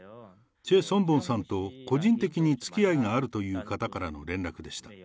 チェ・ソンボンさんと個人的につきあいがあるという方からの連絡でした。